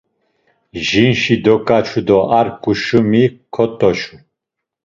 Jinşi doǩaçu do ar ǩuşumi kot̆oçu.